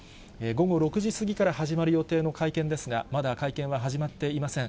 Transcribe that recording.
午後６時過ぎから始まる予定の会見ですが、まだ会見は始まっていません。